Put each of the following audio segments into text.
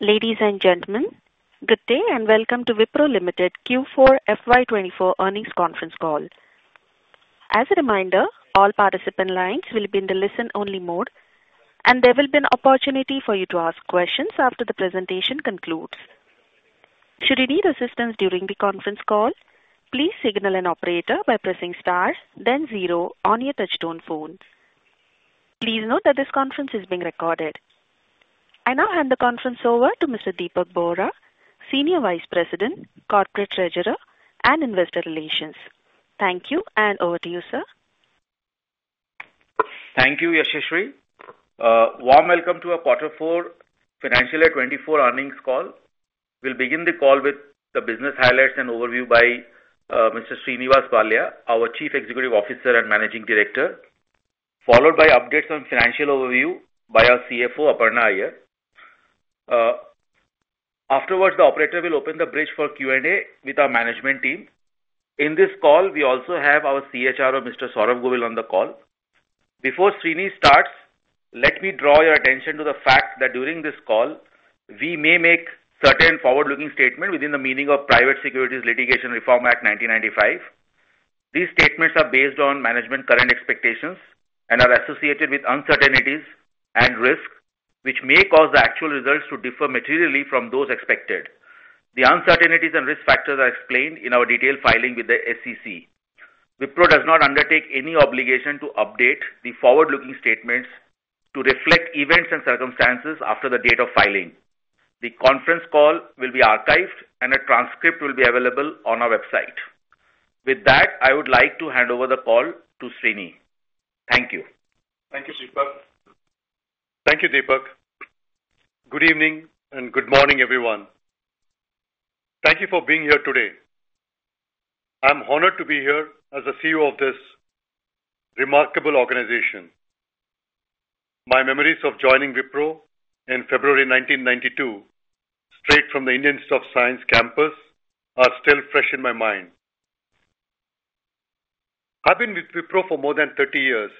Ladies and gentlemen, good day and welcome to Wipro Limited Q4 FY 2024 earnings conference call. As a reminder, all participant lines will be in the listen-only mode, and there will be an opportunity for you to ask questions after the presentation concludes. Should you need assistance during the conference call, please signal an operator by pressing star, then zero on your touch-tone phone. Please note that this conference is being recorded. I now hand the conference over to Mr. Dipak Bohra, Senior Vice President, Corporate Treasurer, and Investor Relations. Thank you, and over to you, sir. Thank you, Yashashri. Warm welcome to our quarter four financial year 2024 earnings call. We'll begin the call with the business highlights and overview by Mr. Srinivas Pallia, our Chief Executive Officer and Managing Director, followed by updates on financial overview by our CFO, Aparna Iyer. Afterwards, the operator will open the bridge for Q&A with our management team. In this call, we also have our CHRO, Mr. Saurabh Govil, on the call. Before Srini starts, let me draw your attention to the fact that during this call, we may make certain forward-looking statements within the meaning of Private Securities Litigation Reform Act 1995. These statements are based on management's current expectations and are associated with uncertainties and risks, which may cause the actual results to differ materially from those expected. The uncertainties and risk factors are explained in our detailed filing with the SEC. Wipro does not undertake any obligation to update the forward-looking statements to reflect events and circumstances after the date of filing. The conference call will be archived, and a transcript will be available on our website. With that, I would like to hand over the call to Srini. Thank you. Thank you, Dipak. Thank you, Dipak. Good evening and good morning, everyone. Thank you for being here today. I'm honored to be here as the CEO of this remarkable organization. My memories of joining Wipro in February 1992, straight from the Indian Institute of Science campus, are still fresh in my mind. I've been with Wipro for more than 30 years.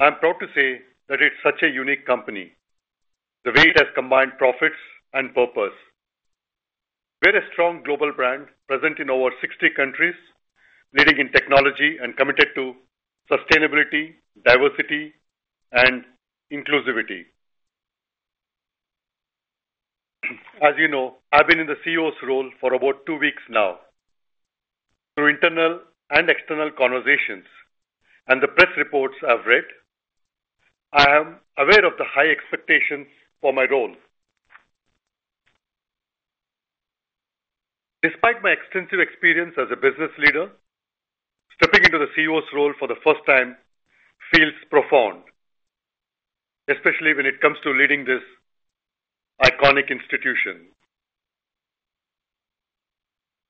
I'm proud to say that it's such a unique company, the way it has combined profits and purpose. We're a strong global brand present in over 60 countries, leading in technology and committed to sustainability, diversity, and inclusivity. As you know, I've been in the CEO's role for about two weeks now. Through internal and external conversations and the press reports I've read, I am aware of the high expectations for my role. Despite my extensive experience as a business leader, stepping into the CEO's role for the first time feels profound, especially when it comes to leading this iconic institution.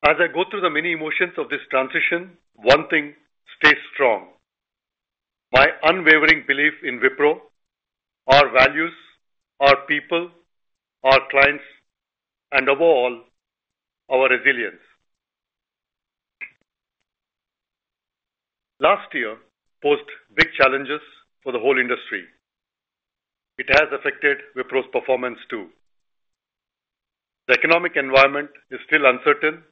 As I go through the many emotions of this transition, one thing stays strong: my unwavering belief in Wipro, our values, our people, our clients, and above all, our resilience. Last year posed big challenges for the whole industry. It has affected Wipro's performance too. The economic environment is still uncertain,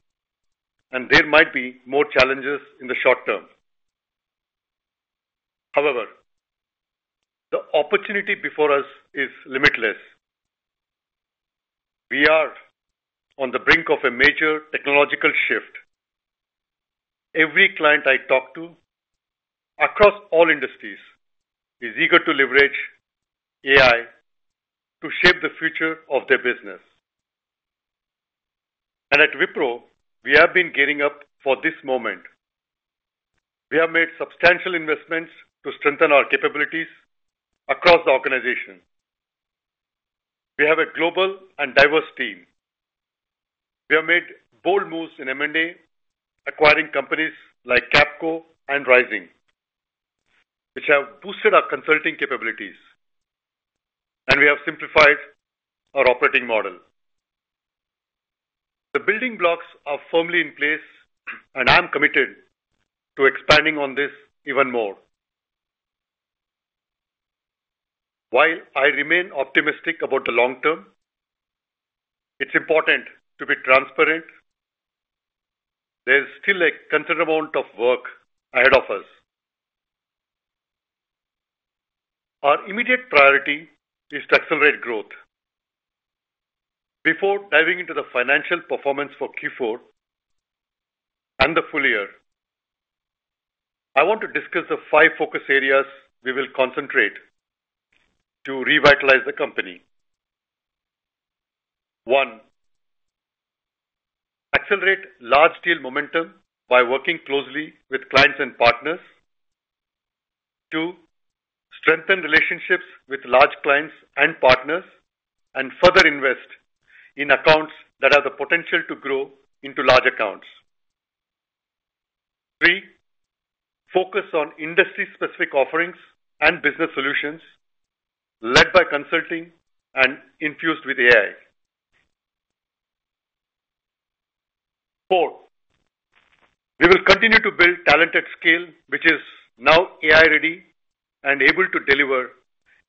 and there might be more challenges in the short term. However, the opportunity before us is limitless. We are on the brink of a major technological shift. Every client I talk to across all industries is eager to leverage AI to shape the future of their business. And at Wipro, we have been gearing up for this moment. We have made substantial investments to strengthen our capabilities across the organization. We have a global and diverse team. We have made bold moves in M&A, acquiring companies like Capco and Rizing, which have boosted our consulting capabilities. We have simplified our operating model. The building blocks are firmly in place, and I'm committed to expanding on this even more. While I remain optimistic about the long term, it's important to be transparent. There's still a considerable amount of work ahead of us. Our immediate priority is to accelerate growth. Before diving into the financial performance for Q4 and the full year, I want to discuss the five focus areas we will concentrate to revitalize the company. One, accelerate large deal momentum by working closely with clients and partners. Two, strengthen relationships with large clients and partners, and further invest in accounts that have the potential to grow into large accounts. Three, focus on industry-specific offerings and business solutions led by consulting and infused with AI. Four, we will continue to build talent at scale, which is now AI-ready and able to deliver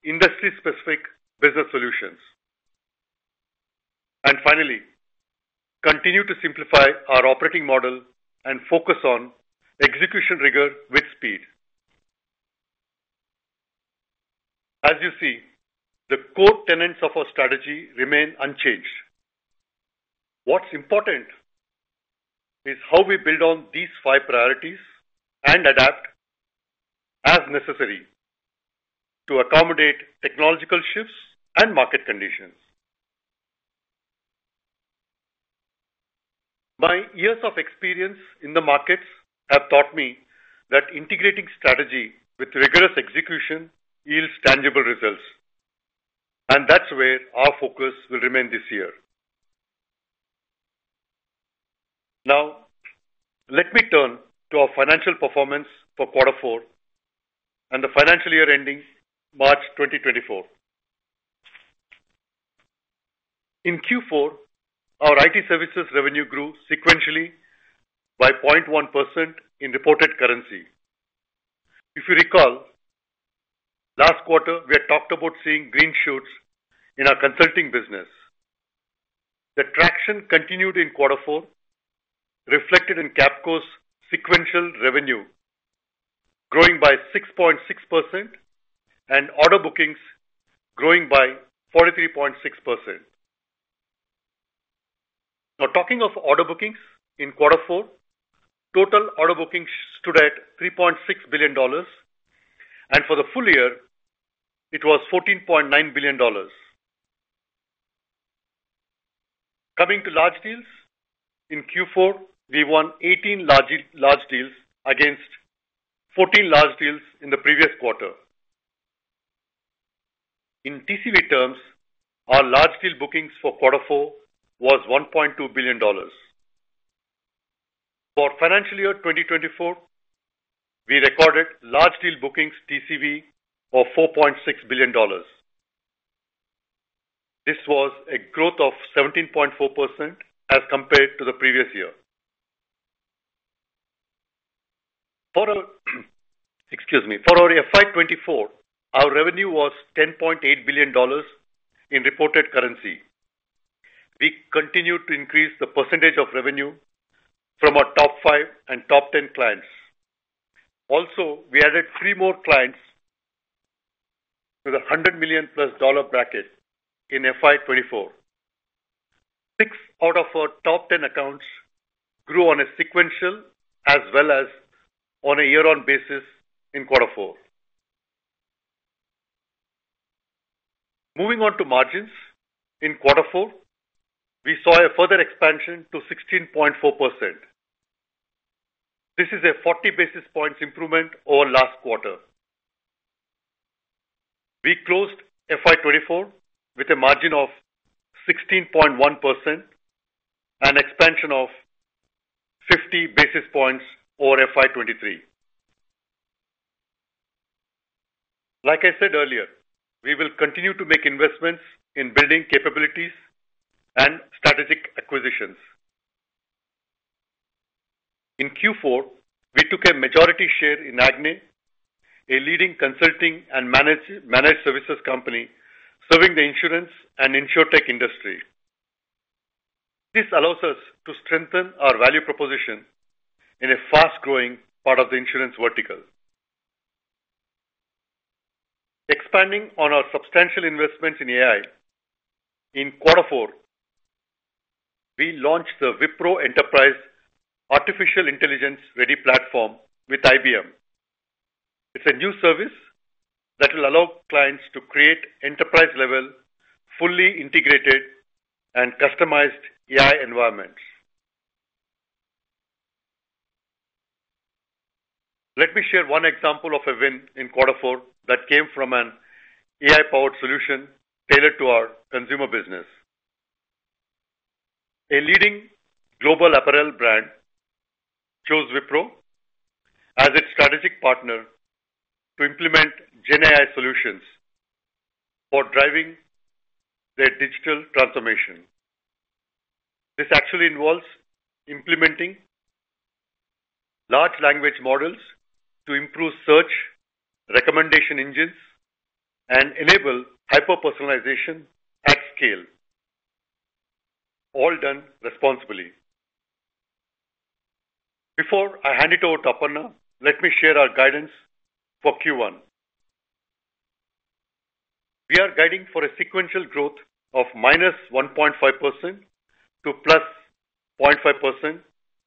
industry-specific business solutions. And finally, continue to simplify our operating model and focus on execution rigor with speed. As you see, the core tenets of our strategy remain unchanged. What's important is how we build on these five priorities and adapt as necessary to accommodate technological shifts and market conditions. My years of experience in the markets have taught me that integrating strategy with rigorous execution yields tangible results. And that's where our focus will remain this year. Now, let me turn to our financial performance for quarter four and the financial year ending March 2024. In Q4, our IT services revenue grew sequentially by 0.1% in reported currency. If you recall, last quarter, we had talked about seeing green shoots in our consulting business. The traction continued in quarter four, reflected in Capco's sequential revenue growing by 6.6% and order bookings growing by 43.6%. Now, talking of order bookings in quarter four, total order bookings stood at $3.6 billion. For the full year, it was $14.9 billion. Coming to large deals, in Q4, we won 18 large deals against 14 large deals in the previous quarter. In TCV terms, our large deal bookings for quarter four was $1.2 billion. For financial year 2024, we recorded large deal bookings TCV of $4.6 billion. This was a growth of 17.4% as compared to the previous year. For our FY 2024, our revenue was $10.8 billion in reported currency. We continued to increase the percentage of revenue from our top five and top ten clients. Also, we added three more clients with a $100 million-plus bracket in FY 2024. Six out of our top ten accounts grew on a sequential as well as on a year-on-year basis in quarter four. Moving on to margins, in quarter four, we saw a further expansion to 16.4%. This is a 40 basis points improvement over last quarter. We closed FY 2024 with a margin of 16.1% and expansion of 50 basis points over FY 2023. Like I said earlier, we will continue to make investments in building capabilities and strategic acquisitions. In Q4, we took a majority share in Aggne, a leading consulting and managed services company serving the insurance and insurtech industry. This allows us to strengthen our value proposition in a fast-growing part of the insurance vertical. Expanding on our substantial investments in AI, in quarter four, we launched the Wipro Enterprise Artificial Intelligence-Ready Platform with IBM. It's a new service that will allow clients to create enterprise-level, fully integrated, and customized AI environments. Let me share one example of a win in quarter four that came from an AI-powered solution tailored to our Consumer business. A leading global apparel brand chose Wipro as its strategic partner to implement GenAI solutions for driving their digital transformation. This actually involves implementing large language models to improve search recommendation engines and enable hyper-personalization at scale, all done responsibly. Before I hand it over to Aparna, let me share our guidance for Q1. We are guiding for a sequential growth of -1.5% to +0.5%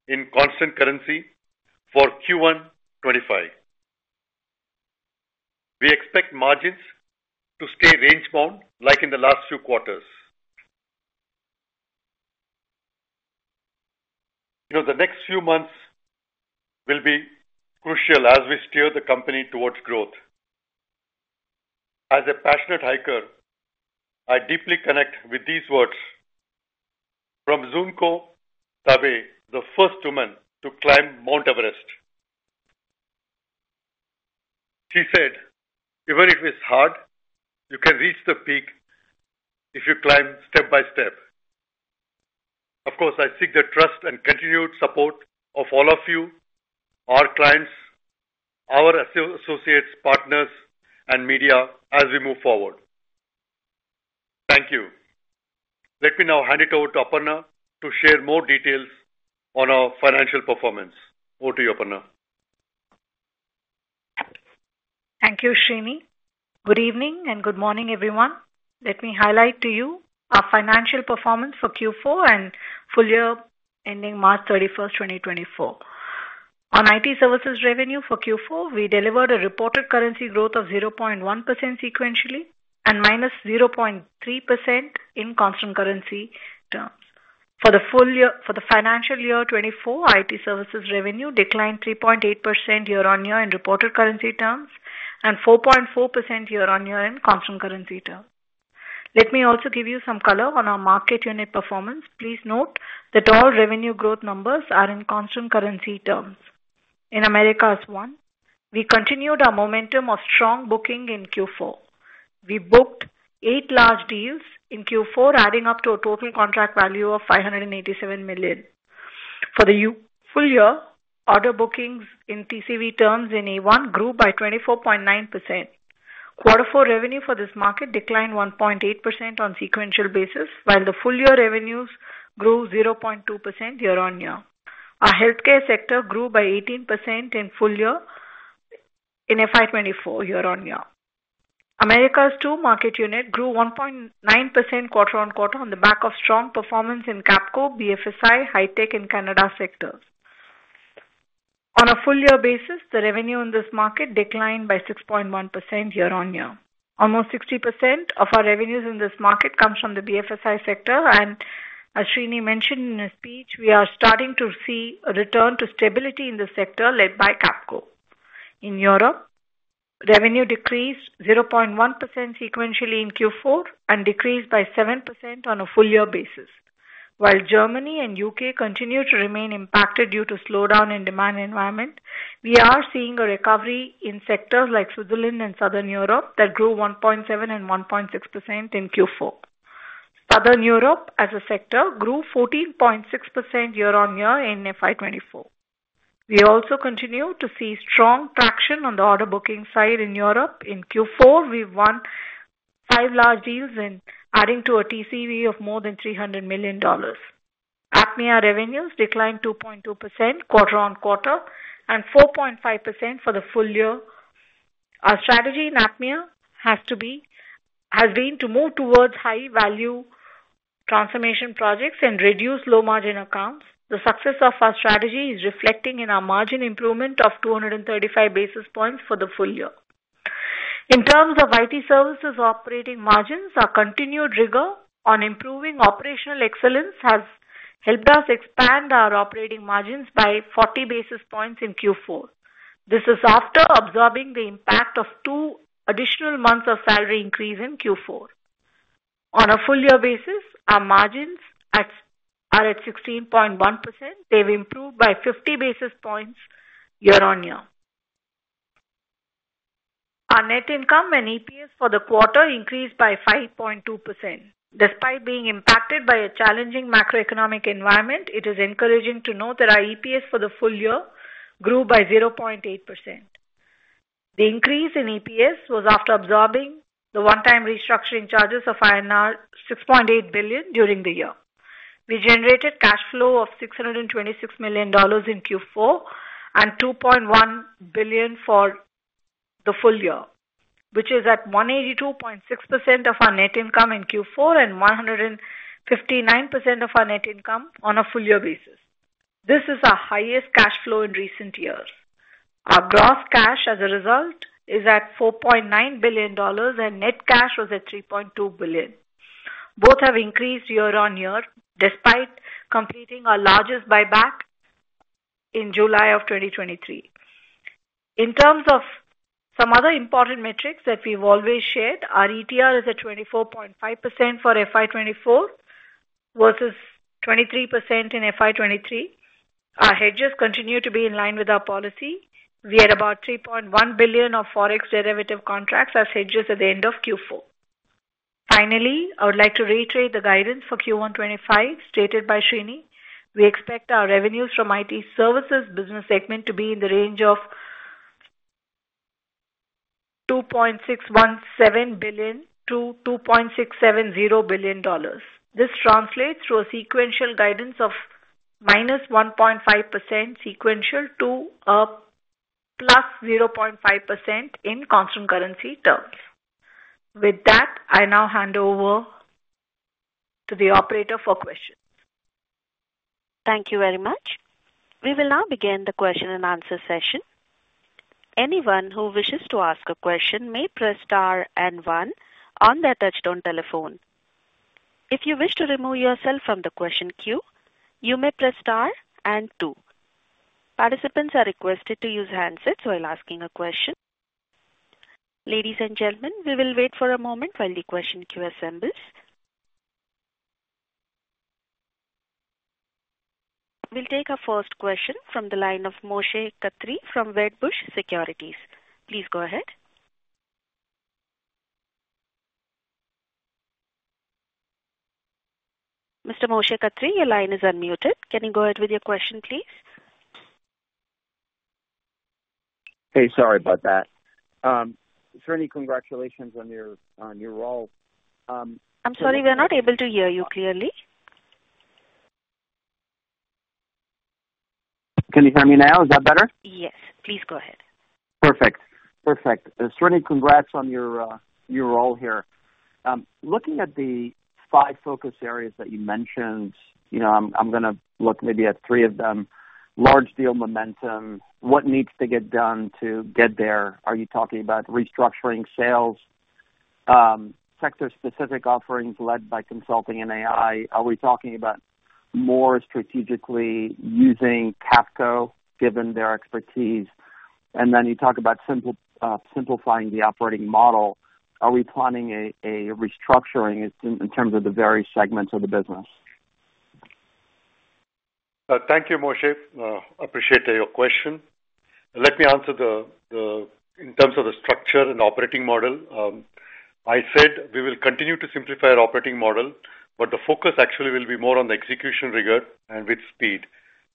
in constant currency for Q1 2025. We expect margins to stay range-bound like in the last few quarters. You know, the next few months will be crucial as we steer the company towards growth. As a passionate hiker, I deeply connect with these words from Junko Tabei, the first woman to climb Mount Everest. She said, "Even if it's hard, you can reach the peak if you climb step by step." Of course, I seek the trust and continued support of all of you, our clients, our associates, partners, and media as we move forward. Thank you. Let me now hand it over to Aparna to share more details on our financial performance. Over to you, Aparna. Thank you, Srini. Good evening and good morning, everyone. Let me highlight to you our financial performance for Q4 and full year ending March 31st, 2024. On IT services revenue for Q4, we delivered a reported currency growth of 0.1% sequentially and -0.3% in constant currency terms. For the financial year 2024, IT services revenue declined 3.8% year-on-year in reported currency terms and 4.4% year-on-year in constant currency terms. Let me also give you some color on our market unit performance. Please note that all revenue growth numbers are in constant currency terms. In Americas 1. We continued our momentum of strong booking in Q4. We booked eight large deals in Q4, adding up to a total contract value of $587 million. For the full year, order bookings in TCV terms in A1 grew by 24.9%. Quarter four revenue for this market declined 1.8% on sequential basis, while the full year revenues grew 0.2% year-on-year. Our Healthcare sector grew by 18% in full year in FY 2024 year-on-year. Americas 2 market unit grew 1.9% quarter-on-quarter on the back of strong performance in Capco, BFSI, Hi-Tech and Canada sectors. On a full year basis, the revenue in this market declined by 6.1% year-on-year. Almost 60% of our revenues in this market comes from the BFSI sector. And as Srini mentioned in his speech, we are starting to see a return to stability in the sector led by Capco. In Europe, revenue decreased 0.1% sequentially in Q4 and decreased by 7% on a full year basis. While Germany and U.K. continue to remain impacted due to slowdown in demand environment, we are seeing a recovery in sectors like Switzerland and Southern Europe that grew 1.7% and 1.6% in Q4. Southern Europe, as a sector, grew 14.6% year-on-year in FY 2024. We also continue to see strong traction on the order booking side in Europe. In Q4, we won five large deals, adding to a TCV of more than $300 million. APMEA revenues declined 2.2% quarter-on-quarter and 4.5% for the full year. Our strategy in APMEA has been to move towards high-value transformation projects and reduce low-margin accounts. The success of our strategy is reflecting in our margin improvement of 235 basis points for the full year. In terms of IT services operating margins, our continued rigor on improving operational excellence has helped us expand our operating margins by 40 basis points in Q4. This is after absorbing the impact of two additional months of salary increase in Q4. On a full year basis, our margins are at 16.1%. They've improved by 50 basis points year-on-year. Our net income and EPS for the quarter increased by 5.2%. Despite being impacted by a challenging macroeconomic environment, it is encouraging to note that our EPS for the full year grew by 0.8%. The increase in EPS was after absorbing the one-time restructuring charges of INR 6.8 billion during the year. We generated cash flow of $626 million in Q4 and $2.1 billion for the full year, which is at 182.6% of our net income in Q4 and 159% of our net income on a full year basis. This is our highest cash flow in recent years. Our gross cash, as a result, is at $4.9 billion, and net cash was at $3.2 billion. Both have increased year-on-year despite completing our largest buyback in July of 2023. In terms of some other important metrics that we've always shared, our ETR is at 24.5% for FY 2024 versus 23% in FY 2023. Our hedges continue to be in line with our policy. We had about $3.1 billion of Forex derivative contracts as hedges at the end of Q4. Finally, I would like to reiterate the guidance for Q1 2025 stated by Srini. We expect our revenues from IT services business segment to be in the range of $2.617 billion-$2.670 billion. This translates through a sequential guidance of -1.5% sequential to +0.5% in constant currency terms. With that, I now hand over to the operator for questions. Thank you very much. We will now begin the question-and-answer session. Anyone who wishes to ask a question may press star and one on their touch-tone telephone. If you wish to remove yourself from the question queue, you may press star and two. Participants are requested to use handsets while asking a question. Ladies and gentlemen, we will wait for a moment while the question queue assembles. We'll take our first question from the line of Moshe Katri from Wedbush Securities. Please go ahead. Mr. Moshe Katri, your line is unmuted. Can you go ahead with your question, please? Hey, sorry about that. Srini, congratulations on your role. I'm sorry. We're not able to hear you clearly. Can you hear me now? Is that better? Yes. Please go ahead. Perfect. Perfect. Srini, congrats on your role here. Looking at the five focus areas that you mentioned, I'm going to look maybe at three of them: large deal momentum, what needs to get done to get there? Are you talking about restructuring sales, sector-specific offerings led by consulting in AI? Are we talking about more strategically using Capco given their expertise? And then you talk about simplifying the operating model. Are we planning a restructuring in terms of the various segments of the business? Thank you, Moshe. Appreciate your question. Let me answer in terms of the structure and operating model. I said we will continue to simplify our operating model, but the focus actually will be more on the execution rigor and with speed.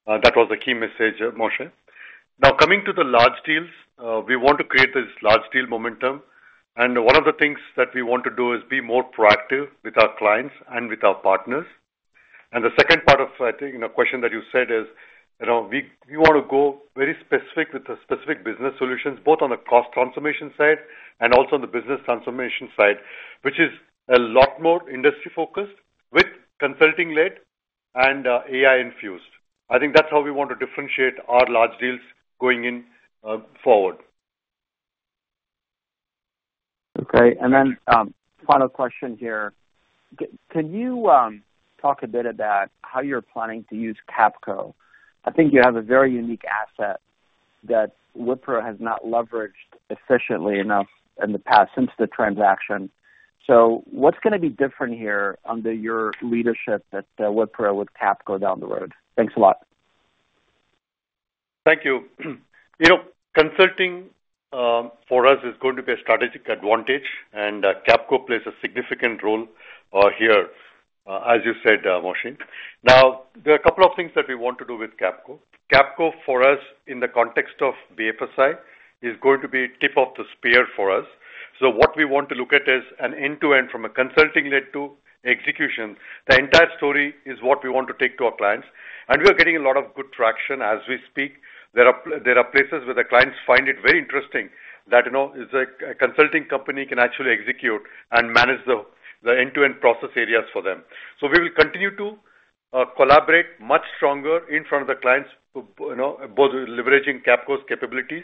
That was the key message, Moshe. Now, coming to the large deals, we want to create this large deal momentum. And one of the things that we want to do is be more proactive with our clients and with our partners. And the second part of, I think, a question that you said is we want to go very specific with the specific business solutions, both on the cost transformation side and also on the business transformation side, which is a lot more industry-focused with consulting-led and AI-infused. I think that's how we want to differentiate our large deals going forward. Okay. And then final question here. Can you talk a bit about how you're planning to use Capco? I think you have a very unique asset that Wipro has not leveraged efficiently enough in the past since the transaction. So what's going to be different here under your leadership at Wipro with Capco down the road? Thanks a lot. Thank you. Consulting for us is going to be a strategic advantage, and Capco plays a significant role here, as you said, Moshe. Now, there are a couple of things that we want to do with Capco. Capco, for us, in the context of BFSI, is going to be tip of the spear for us. So what we want to look at is an end-to-end from a consulting-led to execution. The entire story is what we want to take to our clients. We are getting a lot of good traction as we speak. There are places where the clients find it very interesting that a consulting company can actually execute and manage the end-to-end process areas for them. So we will continue to collaborate much stronger in front of the clients, both leveraging Capco's capabilities.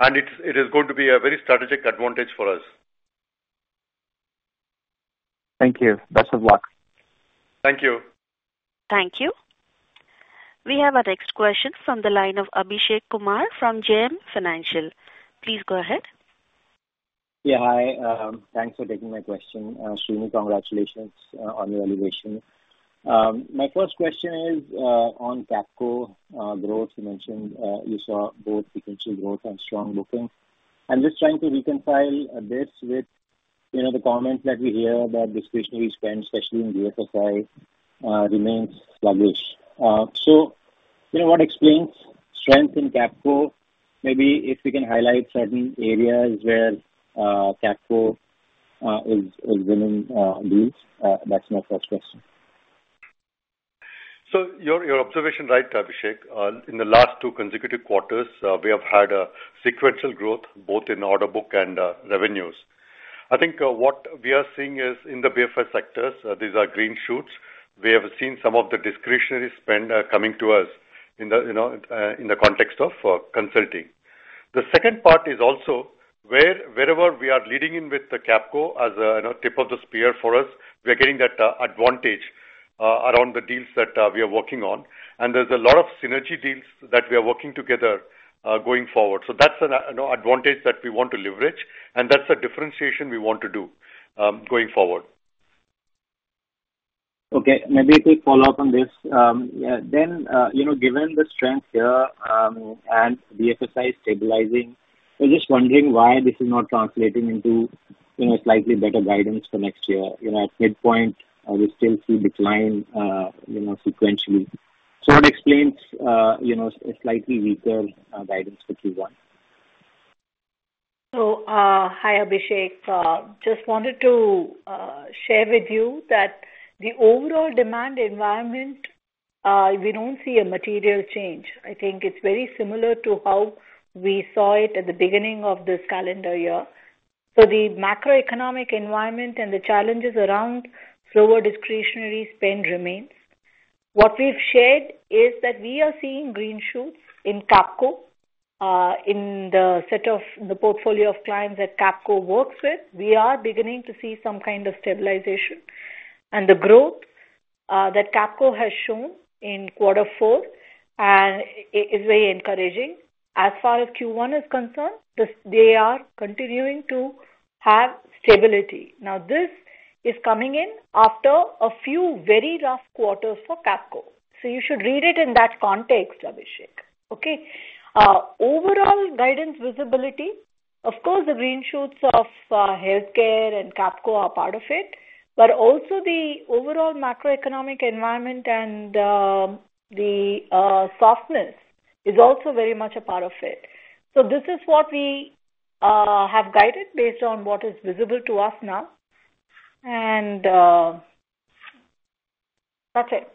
It is going to be a very strategic advantage for us. Thank you. Best of luck. Thank you. Thank you. We have our next question from the line of Abhishek Kumar from JM Financial. Please go ahead. Yeah. Hi. Thanks for taking my question. Srini, congratulations on your elevation. My first question is on Capco growth. You mentioned you saw both sequential growth and strong booking. I'm just trying to reconcile this with the comments that we hear that discretionary spend, especially in BFSI, remains sluggish. So what explains strength in Capco? Maybe if we can highlight certain areas where Capco is winning deals. That's my first question. So your observation right, Abhishek. In the last two consecutive quarters, we have had sequential growth both in order book and revenues. I think what we are seeing is in the BFSI sectors, these are green shoots, we have seen some of the discretionary spend coming to us in the context of consulting. The second part is also wherever we are leading in with Capco as a tip of the spear for us, we are getting that advantage around the deals that we are working on. And there's a lot of synergy deals that we are working together going forward. So that's an advantage that we want to leverage. And that's a differentiation we want to do going forward. Okay. Maybe a quick follow-up on this. Then, given the strength here and BFSI stabilizing, we're just wondering why this is not translating into slightly better guidance for next year. At midpoint, we still see decline sequentially. So what explains a slightly weaker guidance for Q1? So hi, Abhishek. Just wanted to share with you that the overall demand environment, we don't see a material change. I think it's very similar to how we saw it at the beginning of this calendar year. So the macroeconomic environment and the challenges around slower discretionary spend remains. What we've shared is that we are seeing green shoots in Capco. In the set of the portfolio of clients that Capco works with, we are beginning to see some kind of stabilization. And the growth that Capco has shown in quarter four is very encouraging. As far as Q1 is concerned, they are continuing to have stability. Now, this is coming in after a few very rough quarters for Capco. So you should read it in that context, Abhishek. Okay? Overall guidance visibility, of course, the green shoots of Healthcare and Capco are part of it. But also, the overall macroeconomic environment and the softness is also very much a part of it. So this is what we have guided based on what is visible to us now. And that's it.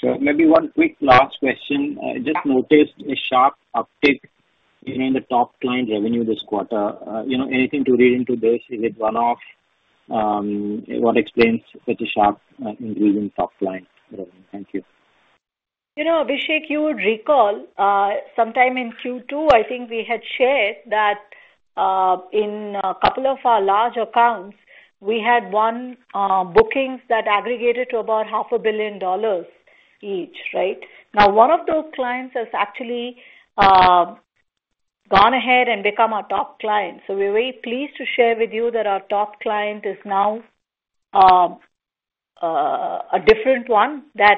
Sure. Maybe one quick last question. I just noticed a sharp uptick in the top client revenue this quarter. Anything to read into this? Is it one-off? What explains such a sharp increase in top client revenue? Thank you. Abhishek, you would recall, sometime in Q2, I think we had shared that in a couple of our large accounts, we had one booking that aggregated to about $500 million each, right? Now, one of those clients has actually gone ahead and become our top client. So we're very pleased to share with you that our top client is now a different one than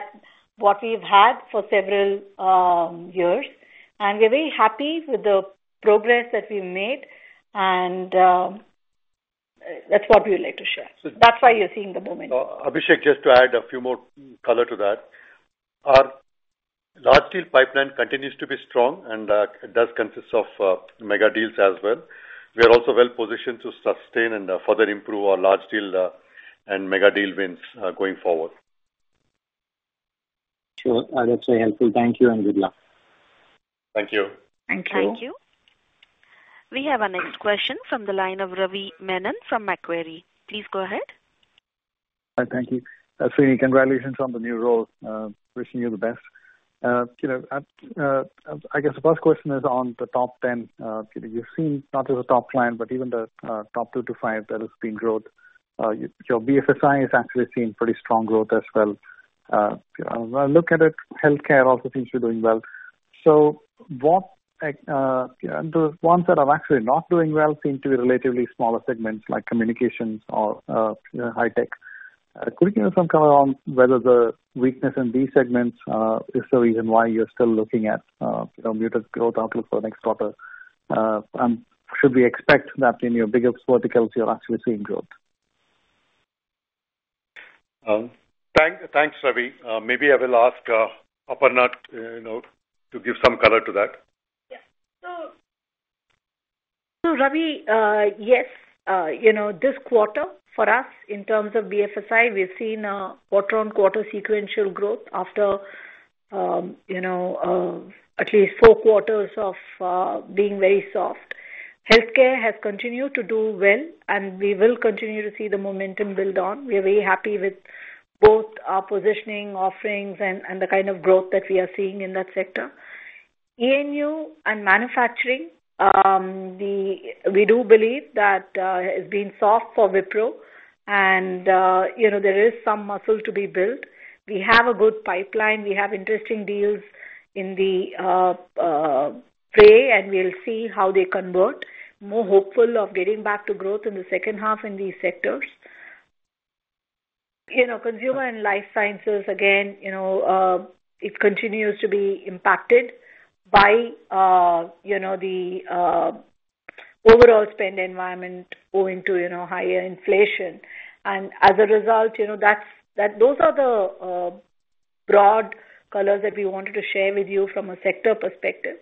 what we've had for several years. And we're very happy with the progress that we've made. And that's what we would like to share. That's why you're seeing the momentum. Abhishek, just to add a few more color to that, our large deal pipeline continues to be strong, and it does consist of mega deals as well. We are also well positioned to sustain and further improve our large deal and mega deal wins going forward. Sure. That's very helpful. Thank you and good luck. Thank you. Thank you. Thank you. We have our next question from the line of Ravi Menon from Macquarie. Please go ahead. Hi. Thank you. Srini, congratulations on the new role. Wishing you the best. I guess the first question is on the top 10. You've seen not just the top client, but even the top two to five that has been growth. Your BFSI is actually seeing pretty strong growth as well. When I look at it, Healthcare also seems to be doing well. So the ones that are actually not doing well seem to be relatively smaller segments like Communications or Hi-Tech. Could you give us some color on whether the weakness in these segments is the reason why you're still looking at muted growth outlook for the next quarter? Should we expect that in your biggest verticals, you're actually seeing growth? Thanks, Ravi. Maybe I will ask Aparna to give some color to that. Yeah. So, Ravi, yes. This quarter, for us, in terms of BFSI, we've seen quarter-on-quarter sequential growth after at least four quarters of being very soft. Healthcare has continued to do well, and we will continue to see the momentum build on. We are very happy with both our positioning, offerings, and the kind of growth that we are seeing in that sector. ENU and Manufacturing, we do believe that it's been soft for Wipro, and there is some muscle to be built. We have a good pipeline. We have interesting deals in the fray, and we'll see how they convert. More hopeful of getting back to growth in the second half in these sectors. Consumer and Life Sciences, again, it continues to be impacted by the overall spend environment owing to higher inflation. And as a result, those are the broad colors that we wanted to share with you from a sector perspective.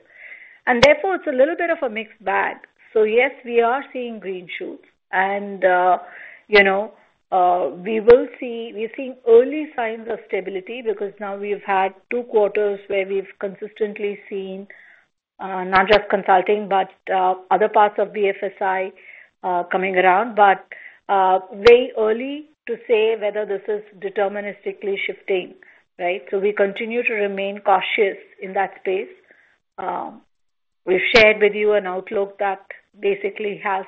And therefore, it's a little bit of a mixed bag. So yes, we are seeing green shoots. And we're seeing early signs of stability because now we've had two quarters where we've consistently seen not just consulting but other parts of BFSI coming around, but very early to say whether this is deterministically shifting, right? So we continue to remain cautious in that space. We've shared with you an outlook that basically has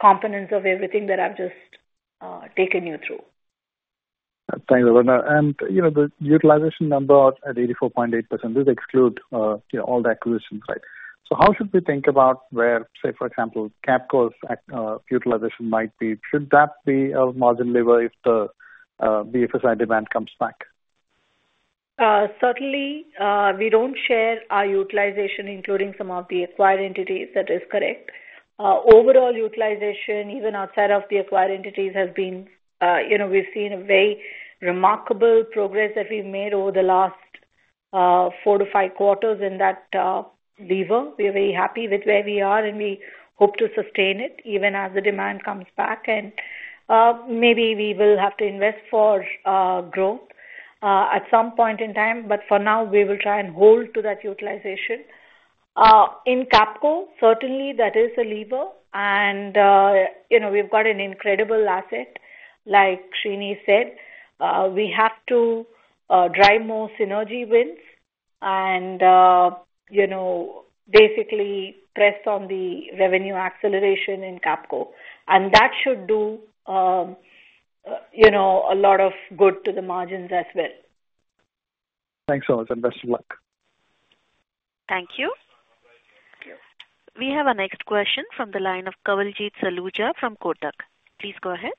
components of everything that I've just taken you through. Thank you, Aparna. And the utilization number at 84.8%, this excludes all the acquisitions, right? So how should we think about where, say, for example, Capco's utilization might be? Should that be a margin lever if the BFSI demand comes back? Certainly, we don't share our utilization, including some of the acquired entities. That is correct. Overall utilization, even outside of the acquired entities, has been. We've seen a very remarkable progress that we've made over the last four to five quarters in that lever. We are very happy with where we are, and we hope to sustain it even as the demand comes back. And maybe we will have to invest for growth at some point in time. But for now, we will try and hold to that utilization. In Capco, certainly, that is a lever. And we've got an incredible asset. Like Srini said, we have to drive more synergy wins and basically press on the revenue acceleration in Capco. And that should do a lot of good to the margins as well. Thanks so much, and best of luck. Thank you. We have our next question from the line of Kawaljeet Saluja from Kotak. Please go ahead.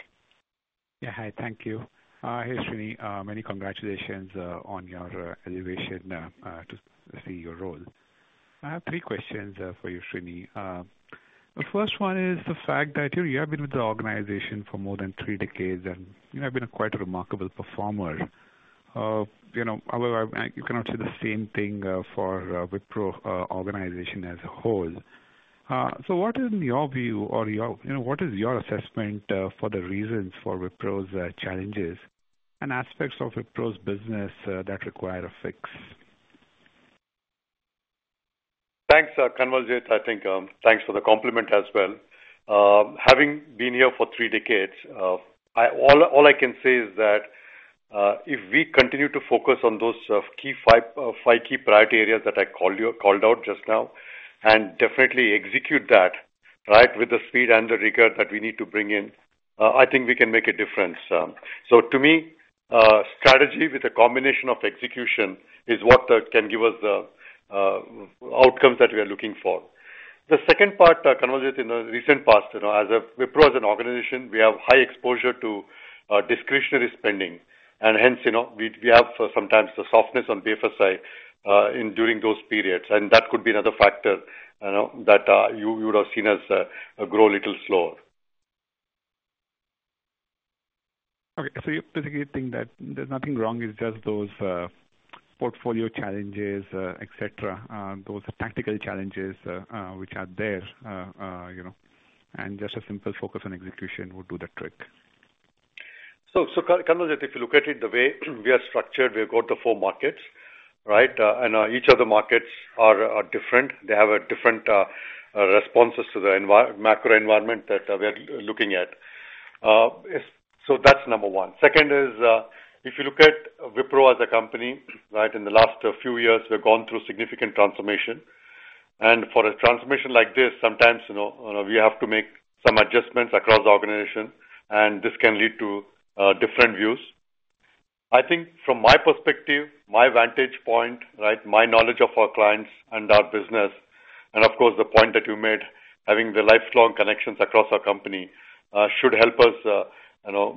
Yeah. Hi. Thank you. Hey, Srini. Many congratulations on your elevation to CEO role. I have three questions for you, Srini. The first one is the fact that, Thierry, you have been with the organization for more than three decades, and you have been quite a remarkable performer. However, you cannot say the same thing for Wipro organization as a whole. So what is, in your view, or what is your assessment for the reasons for Wipro's challenges and aspects of Wipro's business that require a fix? Thanks, Kawaljeet. I think thanks for the compliment as well. Having been here for three decades, all I can say is that if we continue to focus on those key five key priority areas that I called out just now and definitely execute that, right, with the speed and the rigor that we need to bring in, I think we can make a difference. So to me, strategy with a combination of execution is what can give us the outcomes that we are looking for. The second part, Kawaljeet, in the recent past, as Wipro as an organization, we have high exposure to discretionary spending. And hence, we have sometimes the softness on BFSI during those periods. And that could be another factor that you would have seen us grow a little slower. Okay. So you basically think that there's nothing wrong. It's just those portfolio challenges, etc., those tactical challenges which are there. And just a simple focus on execution would do the trick. So Kawaljeet, if you look at it the way we are structured, we've got the four markets, right? And each of the markets are different. They have different responses to the macro environment that we are looking at. So that's number one. Second is, if you look at Wipro as a company, right, in the last few years, we've gone through significant transformation. And for a transformation like this, sometimes we have to make some adjustments across the organization, and this can lead to different views. I think from my perspective, my vantage point, right, my knowledge of our clients and our business, and of course, the point that you made, having the lifelong connections across our company should help us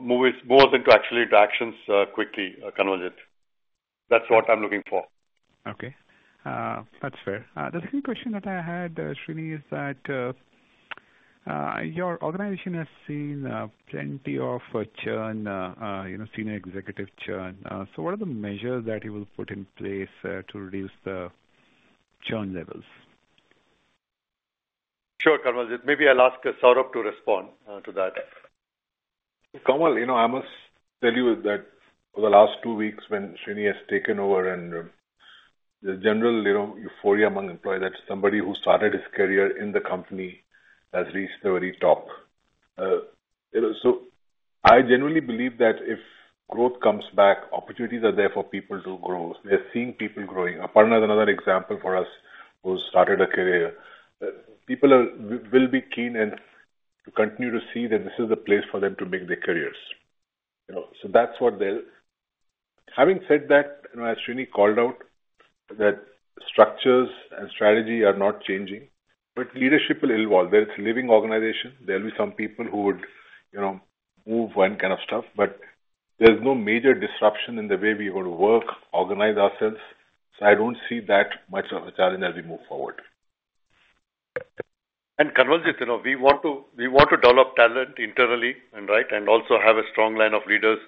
move us into actually into actions quickly, Kawaljeet. That's what I'm looking for. Okay. That's fair. The second question that I had, Srini, is that your organization has seen plenty of churn, senior executive churn. So what are the measures that you will put in place to reduce the churn levels? Sure, Kawaljeet. Maybe I'll ask Saurabh to respond to that. Kawal, you know I must tell you that for the last two weeks when Srini has taken over and the general euphoria among employees, that somebody who started his career in the company has reached the very top. So I generally believe that if growth comes back, opportunities are there for people to grow. We are seeing people growing. Aparna is another example for us who started a career. People will be keen to continue to see that this is the place for them to make their careers. So that's what they'll having said that, as Srini called out, that structures and strategy are not changing. But leadership will evolve. It's a living organization. There'll be some people who would move and kind of stuff. But there's no major disruption in the way we go to work, organize ourselves. So I don't see that much of a challenge as we move forward. Kawaljeet, we want to develop talent internally, right, and also have a strong line of leaders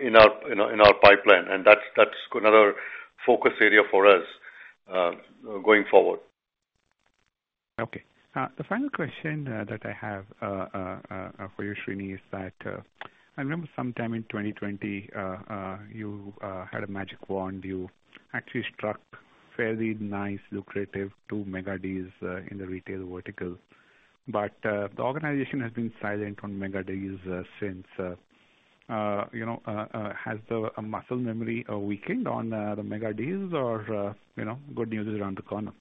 in our pipeline. That's another focus area for us going forward. Okay. The final question that I have for you, Srini, is that I remember sometime in 2020, you had a magic wand. You actually struck fairly nice, lucrative two mega deals in the retail vertical. But the organization has been silent on mega deals since. Has a muscle memory weakened on the mega deals, or good news is around the corner?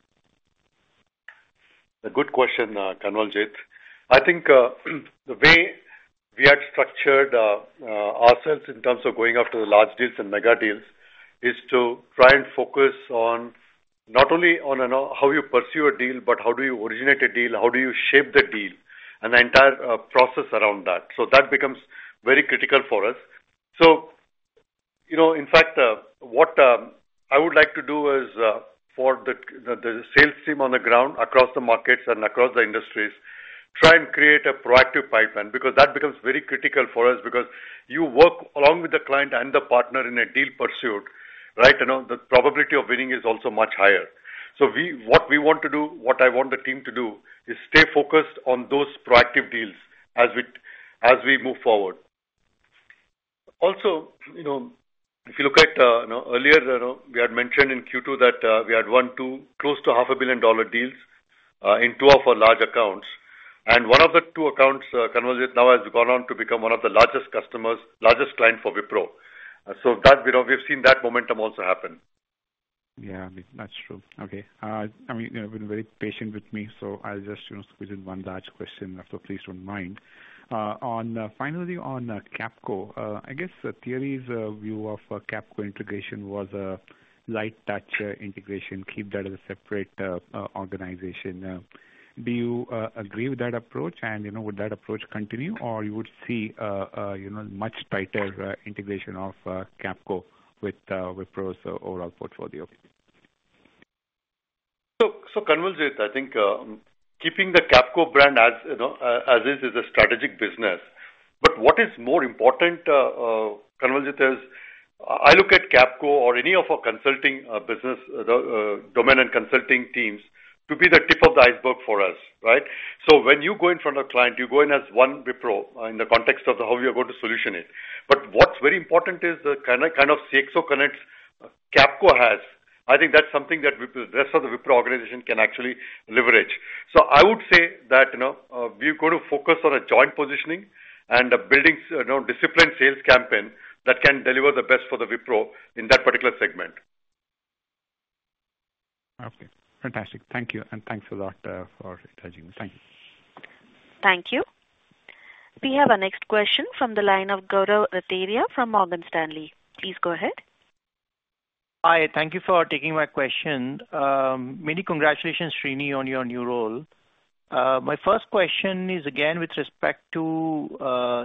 That's a good question, Kawaljeet. I think the way we had structured ourselves in terms of going after the large deals and mega deals is to try and focus not only on how you pursue a deal, but how do you originate a deal? How do you shape the deal and the entire process around that? So that becomes very critical for us. So in fact, what I would like to do is for the sales team on the ground across the markets and across the industries, try and create a proactive pipeline because that becomes very critical for us because you work along with the client and the partner in a deal pursuit, right? The probability of winning is also much higher. So what we want to do, what I want the team to do, is stay focused on those proactive deals as we move forward. Also, if you look at earlier, we had mentioned in Q2 that we had one or two close to $500 million deals in two of our large accounts. And one of the two accounts, Kawaljeet, now has gone on to become one of the largest clients for Wipro. So we've seen that momentum also happen. Yeah. That's true. Okay. I mean, you've been very patient with me, so I'll just squeeze in one last question, so please don't mind. Finally, on Capco, I guess Thierry's view of Capco integration was a light-touch integration, keep that as a separate organization. Do you agree with that approach? And would that approach continue, or you would see a much tighter integration of Capco with Wipro's overall portfolio? So Kawaljeet, I think keeping the Capco brand as is is a strategic business. But what is more important, Kawaljeet, is I look at Capco or any of our consulting business, domain and consulting teams to be the tip of the iceberg for us, right? So when you go in front of a client, you go in as OneWipro in the context of how we are going to solution it. But what's very important is the kind of CXO connects Capco has. I think that's something that the rest of the Wipro organization can actually leverage. So I would say that we're going to focus on a joint positioning and building a disciplined sales campaign that can deliver the best for the Wipro in that particular segment. Okay. Fantastic. Thank you. Thanks a lot for engaging me. Thank you. Thank you. We have our next question from the line of Gaurav Rateria from Morgan Stanley. Please go ahead. Hi. Thank you for taking my question. Many congratulations, Srini, on your new role. My first question is, again, with respect to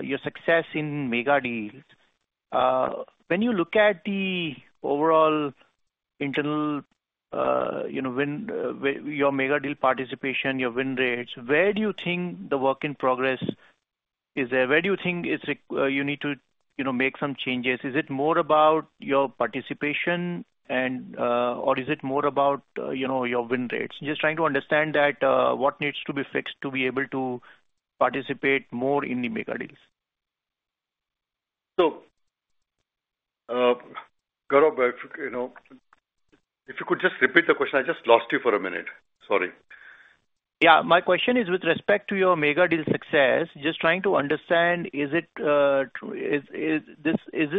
your success in mega deals. When you look at the overall internal your mega deal participation, your win rates, where do you think the work in progress is there? Where do you think you need to make some changes? Is it more about your participation, or is it more about your win rates? Just trying to understand what needs to be fixed to be able to participate more in the mega deals. Gaurav, if you could just repeat the question. I just lost you for a minute. Sorry. Yeah. My question is, with respect to your mega deal success, just trying to understand, is this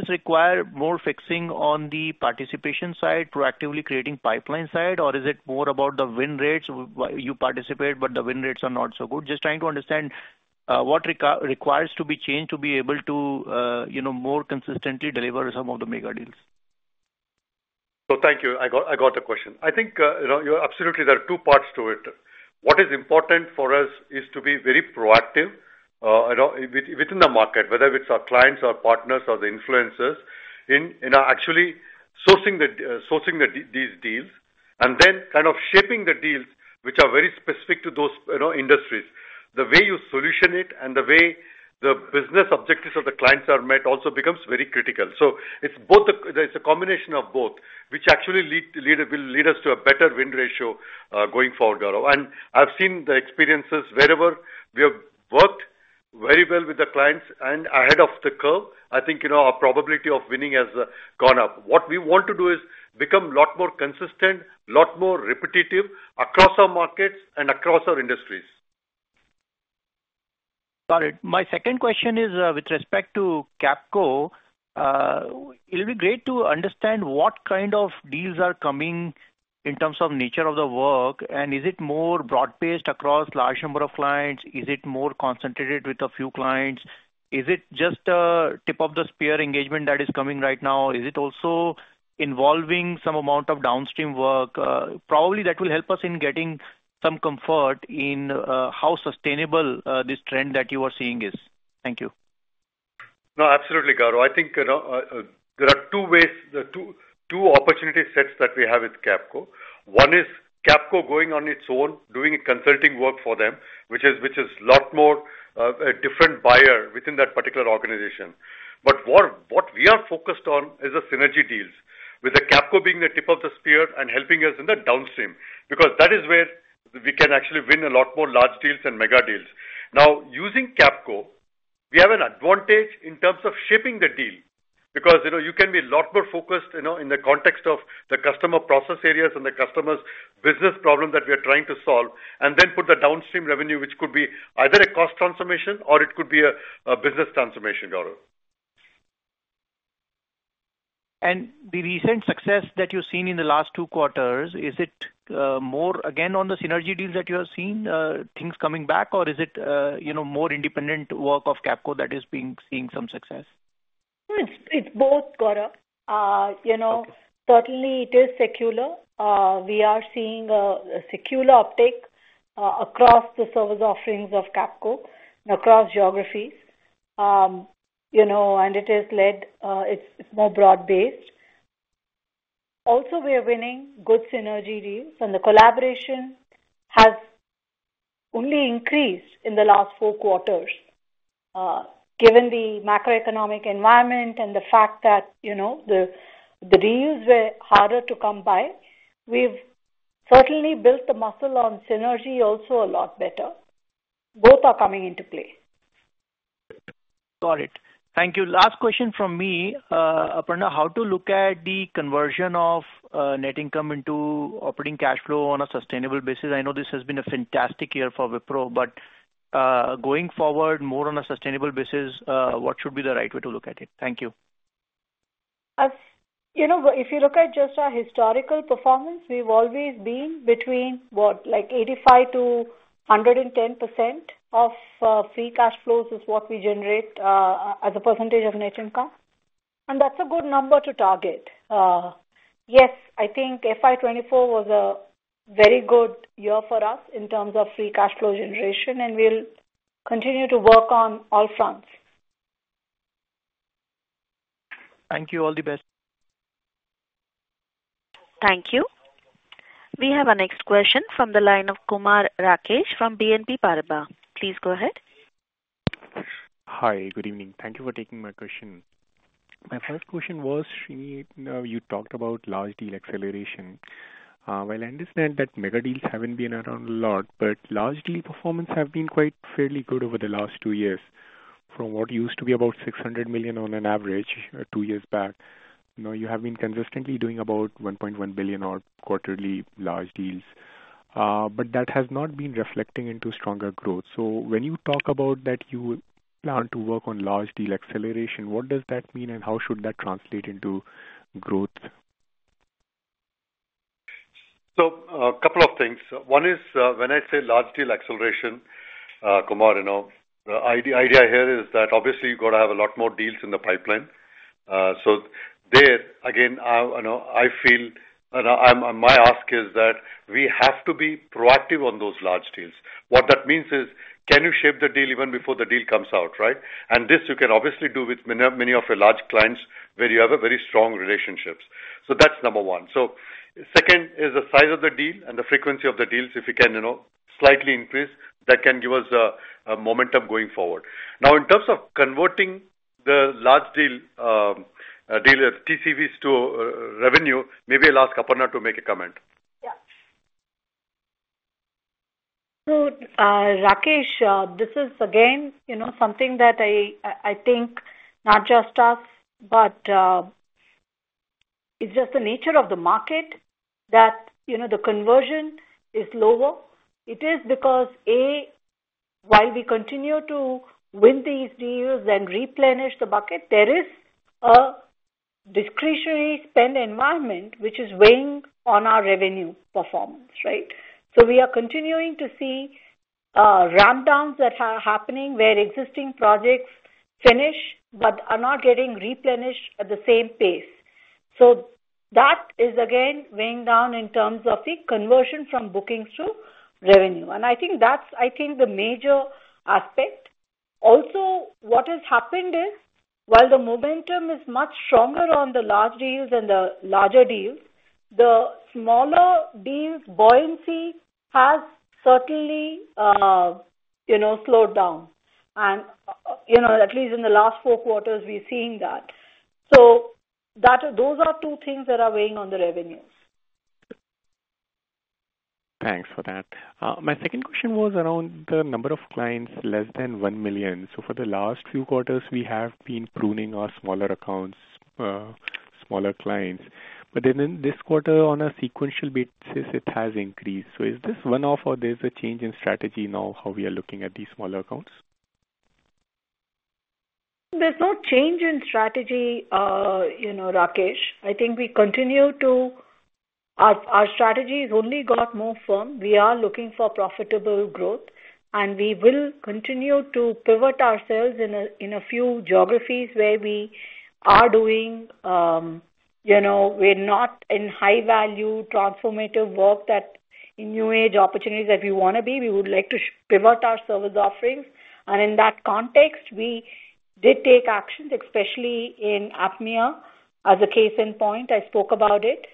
require more fixing on the participation side, proactively creating pipeline side, or is it more about the win rates? You participate, but the win rates are not so good. Just trying to understand what requires to be changed to be able to more consistently deliver some of the mega deals. Thank you. I got the question. I think absolutely, there are two parts to it. What is important for us is to be very proactive within the market, whether it's our clients or partners or the influencers, in actually sourcing these deals and then kind of shaping the deals which are very specific to those industries. The way you solution it and the way the business objectives of the clients are met also becomes very critical. So it's a combination of both which actually will lead us to a better win ratio going forward, Gaurav. I've seen the experiences wherever we have worked very well with the clients, and ahead of the curve, I think our probability of winning has gone up. What we want to do is become a lot more consistent, a lot more repetitive across our markets and across our industries. Got it. My second question is, with respect to Capco, it'll be great to understand what kind of deals are coming in terms of nature of the work. And is it more broad-based across a large number of clients? Is it more concentrated with a few clients? Is it just a tip-of-the-spear engagement that is coming right now? Is it also involving some amount of downstream work? Probably, that will help us in getting some comfort in how sustainable this trend that you are seeing is. Thank you. No, absolutely, Gaurav. I think there are two opportunity sets that we have with Capco. One is Capco going on its own, doing consulting work for them, which is a lot more a different buyer within that particular organization. But what we are focused on is the synergy deals, with Capco being the tip of the spear and helping us in the downstream because that is where we can actually win a lot more large deals and mega deals. Now, using Capco, we have an advantage in terms of shaping the deal because you can be a lot more focused in the context of the customer process areas and the customer's business problem that we are trying to solve and then put the downstream revenue, which could be either a cost transformation or it could be a business transformation, Gaurav. The recent success that you've seen in the last two quarters, is it more, again, on the synergy deals that you have seen, things coming back, or is it more independent work of Capco that is seeing some success? It's both, Gaurav. Certainly, it is secular. We are seeing a secular uptake across the service offerings of Capco and across geographies. And it is led, it's more broad-based. Also, we are winning good synergy deals. And the collaboration has only increased in the last four quarters given the macroeconomic environment and the fact that the deals were harder to come by. We've certainly built the muscle on synergy also a lot better. Both are coming into play. Got it. Thank you. Last question from me, Aparna. How to look at the conversion of net income into operating cash flow on a sustainable basis? I know this has been a fantastic year for Wipro, but going forward more on a sustainable basis, what should be the right way to look at it? Thank you. If you look at just our historical performance, we've always been between 85%-110% of free cash flows is what we generate as a percentage of net income. That's a good number to target. Yes, I think FY 2024 was a very good year for us in terms of free cash flow generation, and we'll continue to work on all fronts. Thank you. All the best. Thank you. We have our next question from the line of Kumar Rakesh from BNP Paribas. Please go ahead. Hi. Good evening. Thank you for taking my question. My first question was, Srini, you talked about large deal acceleration. Well, I understand that mega deals haven't been around a lot, but large deal performance has been quite fairly good over the last two years from what used to be about $600 million on an average two years back. Now, you have been consistently doing about $1.1 billion or quarterly large deals. But that has not been reflecting into stronger growth. So when you talk about that you plan to work on large deal acceleration, what does that mean, and how should that translate into growth? So a couple of things. One is when I say large deal acceleration, Kumar, the idea here is that obviously, you've got to have a lot more deals in the pipeline. So there, again, I feel my ask is that we have to be proactive on those large deals. What that means is, can you shape the deal even before the deal comes out, right? And this, you can obviously do with many of your large clients where you have very strong relationships. So that's number one. So second is the size of the deal and the frequency of the deals. If you can slightly increase, that can give us momentum going forward. Now, in terms of converting the large deal TCVs to revenue, maybe I'll ask Aparna to make a comment. Yeah. So Rakesh, this is, again, something that I think not just us, but it's just the nature of the market that the conversion is lower. It is because, A, while we continue to win these deals and replenish the bucket, there is a discretionary spend environment which is weighing on our revenue performance, right? So we are continuing to see rampdowns that are happening where existing projects finish but are not getting replenished at the same pace. So that is, again, weighing down in terms of the conversion from bookings to revenue. And I think that's, I think, the major aspect. Also, what has happened is, while the momentum is much stronger on the large deals and the larger deals, the smaller deal buoyancy has certainly slowed down. And at least in the last four quarters, we're seeing that. Those are two things that are weighing on the revenues. Thanks for that. My second question was around the number of clients, less than one million. So for the last few quarters, we have been pruning our smaller accounts, smaller clients. But then in this quarter, on a sequential basis, it has increased. So is this one-off, or there's a change in strategy now how we are looking at these smaller accounts? There's no change in strategy, Rakesh. I think we continue to our strategy has only got more firm. We are looking for profitable growth, and we will continue to pivot ourselves in a few geographies where we are doing we're not in high-value transformative work in new-age opportunities that we want to be. We would like to pivot our service offerings. In that context, we did take actions, especially in APMEA as a case in point. I spoke about it.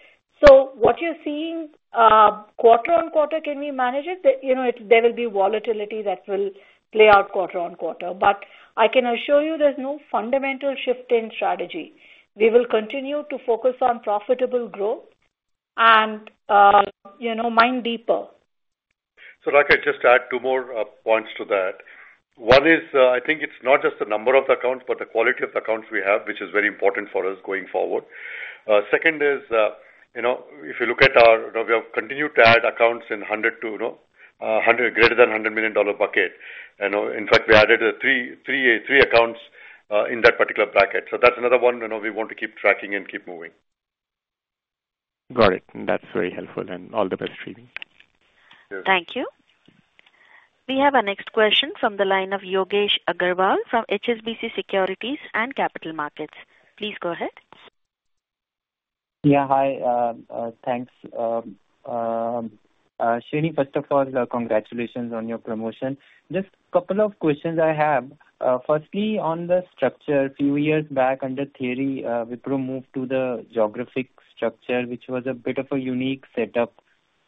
So what you're seeing, quarter on quarter, can we manage it? There will be volatility that will play out quarter on quarter. But I can assure you there's no fundamental shift in strategy. We will continue to focus on profitable growth and mine deeper. So if I could just add two more points to that. One is, I think it's not just the number of the accounts but the quality of the accounts we have, which is very important for us going forward. Second is, if you look at how we have continued to add accounts in greater than $100 million bucket. In fact, we added three accounts in that particular bracket. So that's another one we want to keep tracking and keep moving. Got it. That's very helpful. All the best, Srini. Sure. Thank you. We have our next question from the line of Yogesh Aggarwal from HSBC Securities and Capital Markets. Please go ahead. Yeah. Hi. Thanks. Srini, first of all, congratulations on your promotion. Just a couple of questions I have. Firstly, on the structure, a few years back, under Thierry, Wipro moved to the geographic structure, which was a bit of a unique setup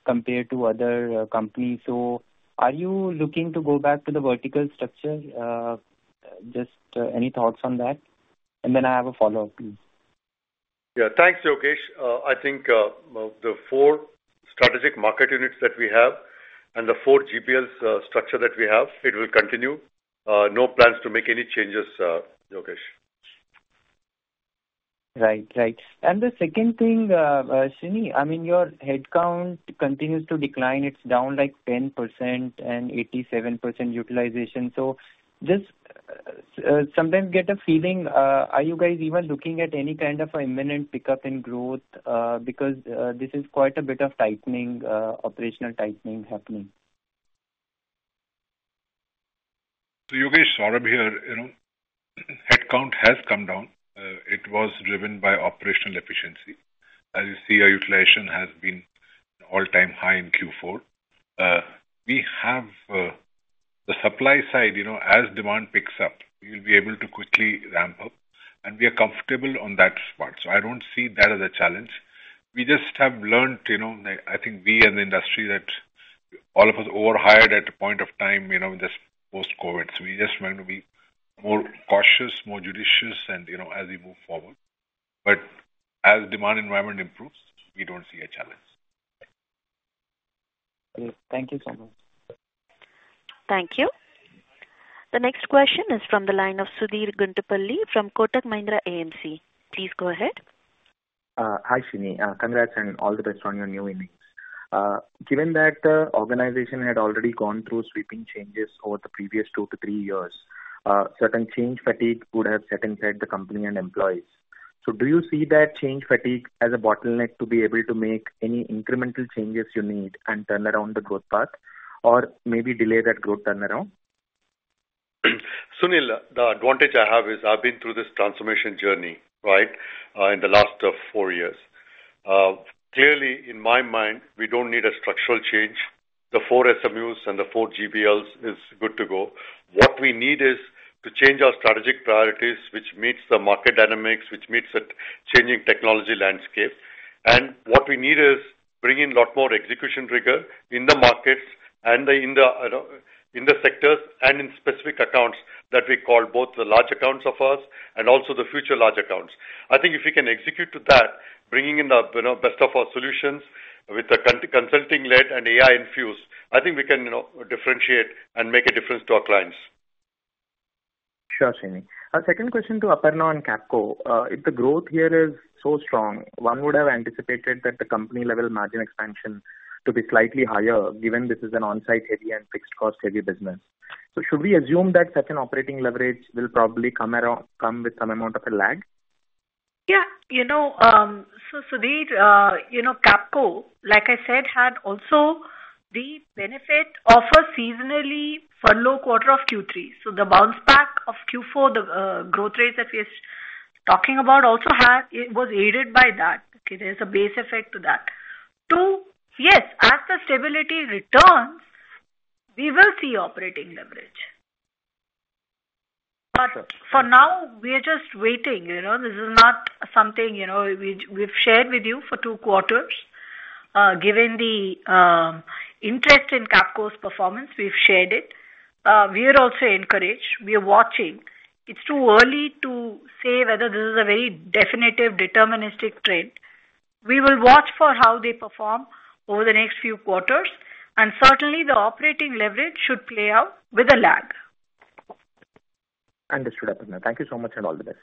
compared to other companies. So are you looking to go back to the vertical structure? Just any thoughts on that? And then I have a follow-up, please. Yeah. Thanks, Yogesh. I think the four strategic market units that we have and the four GBLs structure that we have, it will continue. No plans to make any changes, Yogesh. Right. Right. And the second thing, Srini, I mean, your headcount continues to decline. It's down 10% and 87% utilization. So just sometimes get a feeling, are you guys even looking at any kind of imminent pickup in growth? Because this is quite a bit of tightening, operational tightening happening. So Yogesh, Saurabh here. Headcount has come down. It was driven by operational efficiency. As you see, our utilization has been all-time high in Q4. We have the supply side. As demand picks up, we'll be able to quickly ramp up. And we are comfortable on that part. So I don't see that as a challenge. We just have learned, I think we and the industry, that all of us overhired at a point of time just post-COVID. So we just want to be more cautious, more judicious, as we move forward. But as demand environment improves, we don't see a challenge. Great. Thank you so much. Thank you. The next question is from the line of Sudheer Guntupalli from Kotak Mahindra AMC. Please go ahead. Hi, Srini. Congrats and all the best on your new innings. Given that the organization had already gone through sweeping changes over the previous two to three years, certain change fatigue would have set in place at the company and employees. So do you see that change fatigue as a bottleneck to be able to make any incremental changes you need and turn around the growth path or maybe delay that growth turnaround? Sudheer, the advantage I have is I've been through this transformation journey, right, in the last four years. Clearly, in my mind, we don't need a structural change. The four SMUs and the four GBLs are good to go. What we need is to change our strategic priorities, which meets the market dynamics, which meets a changing technology landscape. And what we need is bringing a lot more execution rigor in the markets and in the sectors and in specific accounts that we call both the large accounts of us and also the future large accounts. I think if we can execute to that, bringing in the best of our solutions with the consulting-led and AI-infused, I think we can differentiate and make a difference to our clients. Sure, Srini. Second question to Aparna and Capco. If the growth here is so strong, one would have anticipated that the company-level margin expansion to be slightly higher given this is an on-site-heavy and fixed-cost-heavy business. So should we assume that such an operating leverage will probably come with some amount of a lag? Yeah. So Sudheer, Capco, like I said, had also the benefit of a seasonally furlough quarter of Q3. So the bounce back of Q4, the growth rates that we are talking about also was aided by that. Okay, there's a base effect to that. Two, yes, as the stability returns, we will see operating leverage. But for now, we are just waiting. This is not something we've shared with you for two quarters. Given the interest in Capco's performance, we've shared it. We are also encouraged. We are watching. It's too early to say whether this is a very definitive, deterministic trend. We will watch for how they perform over the next few quarters. And certainly, the operating leverage should play out with a lag. Understood, Aparna. Thank you so much and all the best.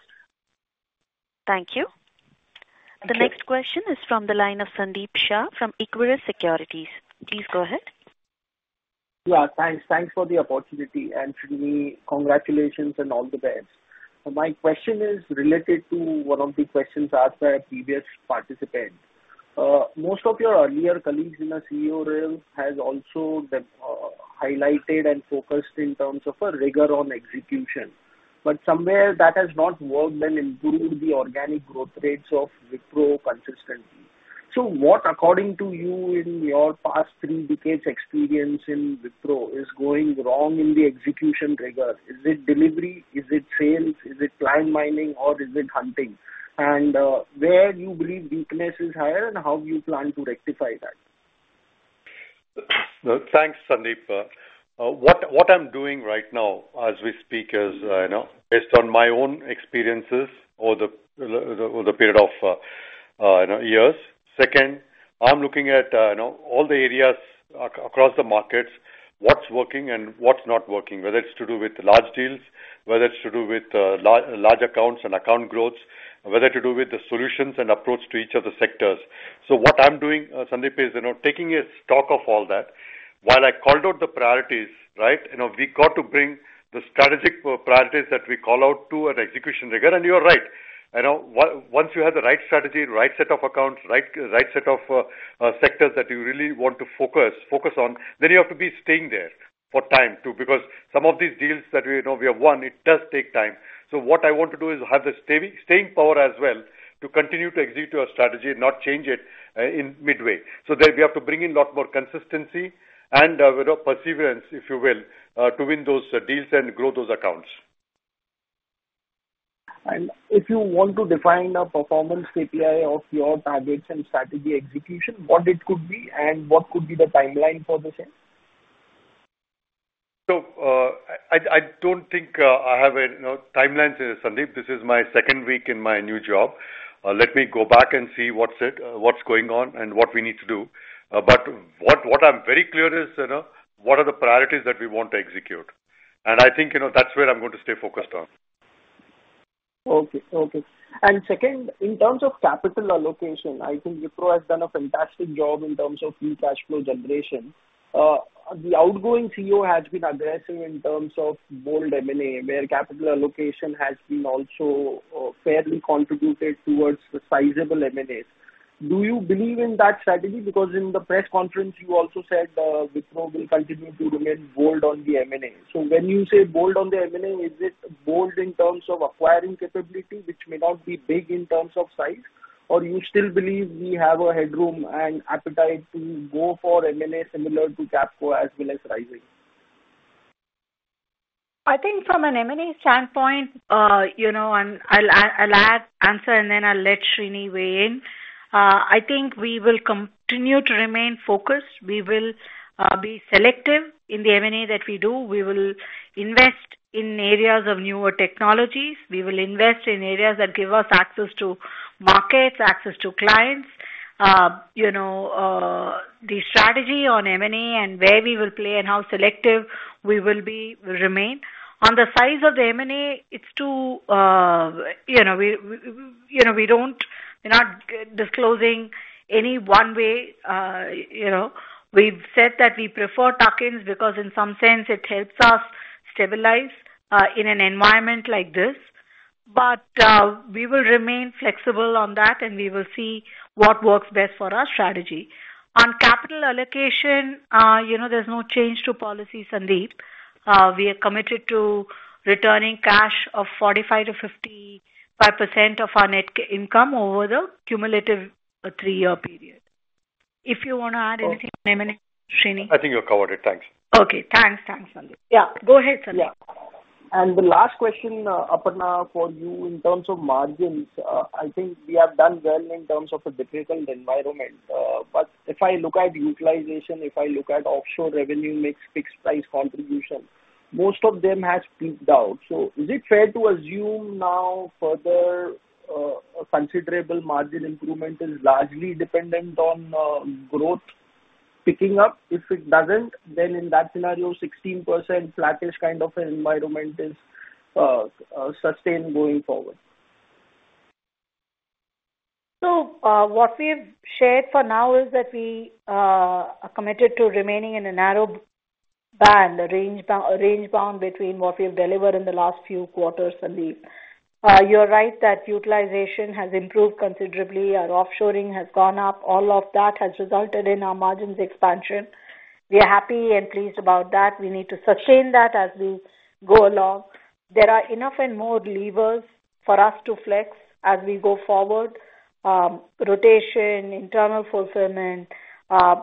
Thank you. The next question is from the line of Sandeep Shah from Equirus Securities. Please go ahead. Yeah. Thanks for the opportunity. And Srini, congratulations and all the best. My question is related to one of the questions asked by a previous participant. Most of your earlier colleagues in a CEO role have also highlighted and focused in terms of a rigor on execution. But somewhere, that has not worked and improved the organic growth rates of Wipro consistently. So what, according to you, in your past three decades' experience in Wipro, is going wrong in the execution rigor? Is it delivery? Is it sales? Is it client mining, or is it hunting? And where do you believe weakness is higher, and how do you plan to rectify that? Thanks, Sandeep. What I'm doing right now as we speak is based on my own experiences over the period of years. Second, I'm looking at all the areas across the markets, what's working and what's not working, whether it's to do with large deals, whether it's to do with large accounts and account growth, whether it's to do with the solutions and approach to each of the sectors. So what I'm doing, Sandeep, is taking a stock of all that. While I called out the priorities, right, we got to bring the strategic priorities that we call out to an execution rigor. And you're right. Once you have the right strategy, right set of accounts, right set of sectors that you really want to focus on, then you have to be staying there for time too because some of these deals that we have won, it does take time. So what I want to do is have the staying power as well to continue to execute our strategy and not change it in midway. So then we have to bring in a lot more consistency and perseverance, if you will, to win those deals and grow those accounts. If you want to define a performance KPI of your targets and strategy execution, what it could be and what could be the timeline for the same? I don't think I have a timeline, Sandeep. This is my second week in my new job. Let me go back and see what's going on and what we need to do. But what I'm very clear is what are the priorities that we want to execute. I think that's where I'm going to stay focused on. Okay. Okay. And second, in terms of capital allocation, I think Wipro has done a fantastic job in terms of free cash flow generation. The outgoing CEO has been aggressive in terms of bold M&A where capital allocation has been also fairly contributed towards the sizable M&As. Do you believe in that strategy? Because in the press conference, you also said Wipro will continue to remain bold on the M&A. So when you say bold on the M&A, is it bold in terms of acquiring capability, which may not be big in terms of size? Or you still believe we have a headroom and appetite to go for M&A similar to Capco as well as Rizing? I think from an M&A standpoint, and I'll answer, and then I'll let Srini weigh in. I think we will continue to remain focused. We will be selective in the M&A that we do. We will invest in areas of newer technologies. We will invest in areas that give us access to markets, access to clients. The strategy on M&A and where we will play and how selective we will remain. On the size of the M&A, it's too early we're not disclosing any one way. We've said that we prefer tuck-ins because in some sense, it helps us stabilize in an environment like this. But we will remain flexible on that, and we will see what works best for our strategy. On capital allocation, there's no change to policy, Sandeep. We are committed to returning cash of 45%-55% of our net income over the cumulative three-year period. If you want to add anything on M&A, Srini. I think you've covered it. Thanks. Okay. Thanks. Thanks, Sandeep. Yeah. Go ahead, Sandeep. Yeah. And the last question, Aparna, for you in terms of margins, I think we have done well in terms of a difficult environment. But if I look at utilization, if I look at offshore revenue mix fixed-price contribution, most of them have peaked out. So is it fair to assume now further considerable margin improvement is largely dependent on growth picking up? If it doesn't, then in that scenario, 16% flattish kind of an environment is sustained going forward. So what we've shared for now is that we are committed to remaining in a narrow band, a range bound between what we've delivered in the last few quarters, Sandeep. You're right that utilization has improved considerably. Our offshoring has gone up. All of that has resulted in our margins expansion. We are happy and pleased about that. We need to sustain that as we go along. There are enough and more levers for us to flex as we go forward: rotation, internal fulfillment.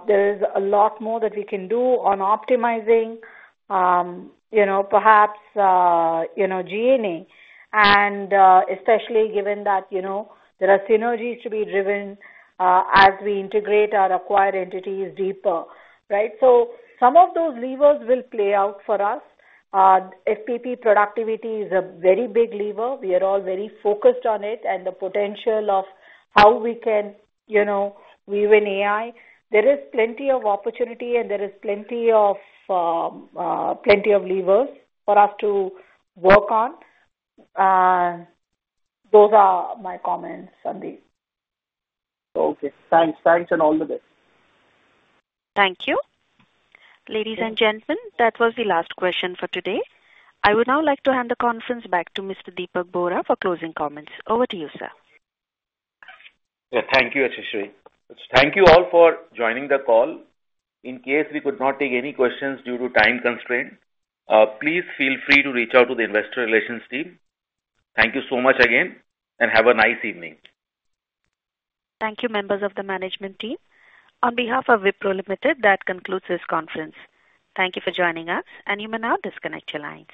There is a lot more that we can do on optimizing, perhaps G&A, and especially given that there are synergies to be driven as we integrate our acquired entities deeper, right? So some of those levers will play out for us. FPP productivity is a very big lever. We are all very focused on it and the potential of how we can weave in AI. There is plenty of opportunity, and there is plenty of levers for us to work on. Those are my comments, Sandeep. Okay. Thanks. Thanks and all the best. Thank you. Ladies and gentlemen, that was the last question for today. I would now like to hand the conference back to Mr. Dipak Bohra for closing comments. Over to you, sir. Yeah. Thank you, Yashashri. Thank you all for joining the call. In case we could not take any questions due to time constraints, please feel free to reach out to the investor relations team. Thank you so much again, and have a nice evening. Thank you, members of the management team. On behalf of Wipro Limited, that concludes this conference. Thank you for joining us, and you may now disconnect your lines.